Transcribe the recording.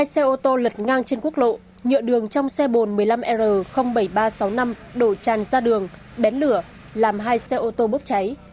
hai xe ô tô lật ngang trên quốc lộ nhựa đường trong xe bồn một mươi năm r bảy nghìn ba trăm sáu mươi năm đổ tràn ra đường bén lửa làm hai xe ô tô bốc cháy